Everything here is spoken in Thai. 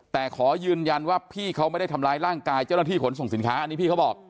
แต่ขอยืนยันว่าพี่เขาไม่ได้ทำร้ายร่างกายเจ้าหน้าที่ขนส่งสินค้าอันนี้พี่เขาบอก